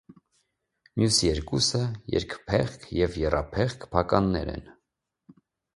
Մյուս երկուսը երկփեղկ և եռափեղկ փականներն են։